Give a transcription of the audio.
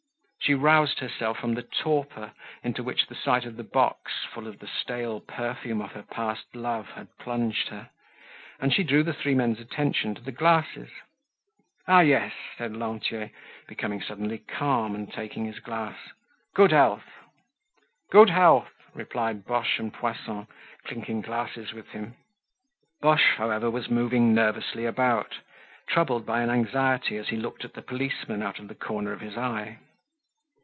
She roused herself from the torpor into which the sight of the box, full of the stale perfume of her past love, had plunged her, and she drew the three men's attention to the glasses. "Ah! yes," said Lantier, becoming suddenly calm and taking his glass. "Good health!" "Good health!" replied Boche and Poisson, clinking glasses with him. Boche, however, was moving nervously about, troubled by an anxiety as he looked at the policeman out of the corner of his eye.